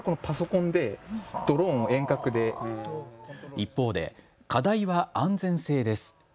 一方で課題は安全性です。